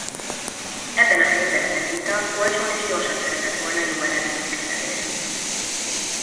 Ebben a helyzetben Vita olcsón és gyorsan szeretett volna jó eredményeket elérni.